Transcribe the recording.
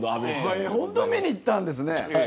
本当に見に行ったんですね。